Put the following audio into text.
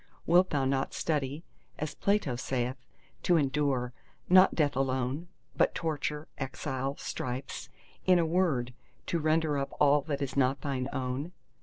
Wilt thou not study, as Plato saith, to endure, not death alone, but torture, exile, stripes—in a word, to render up all that is not thine own?